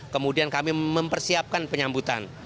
kemudian kami mempersiapkan penyambutan